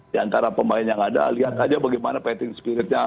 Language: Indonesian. di antara pemain yang ada lihat aja bagaimana patting spiritnya